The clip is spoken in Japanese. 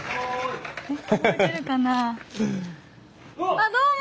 あっどうも。